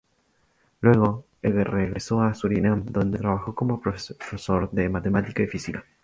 Luego regresó a Surinam donde trabajó como profesor de matemática y física.